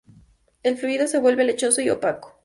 El fluido se vuelve lechoso y opaco.